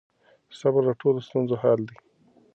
صبر د ټولو ستونزو حل دی.